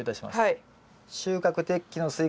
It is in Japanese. はい。